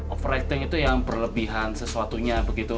overlating itu yang berlebihan sesuatunya begitu